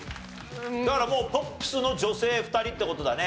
だからもうポップスの女性２人って事だね。